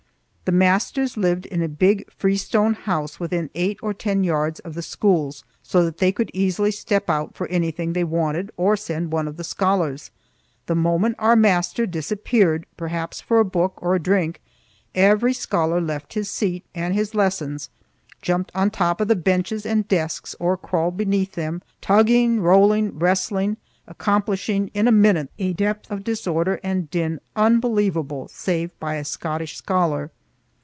The masters lived in a big freestone house within eight or ten yards of the schools, so that they could easily step out for anything they wanted or send one of the scholars. The moment our master disappeared, perhaps for a book or a drink, every scholar left his seat and his lessons, jumped on top of the benches and desks or crawled beneath them, tugging, rolling, wrestling, accomplishing in a minute a depth of disorder and din unbelievable save by a Scottish scholar.